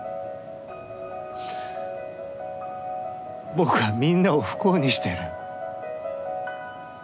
僕はみんなを不幸にしてる。